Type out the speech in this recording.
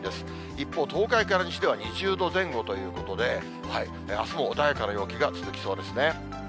一方、東海から西では２０度前後ということで、あすも穏やかな陽気が続きそうですね。